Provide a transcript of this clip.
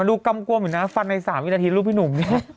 ดูกำกวมอยู่นะฟันใน๓วินาทีรูปพี่หนุ่มเนี่ย